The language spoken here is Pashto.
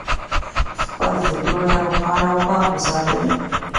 خپل فکرونه روښانه او پاک وساتئ.